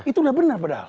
itu udah benar padahal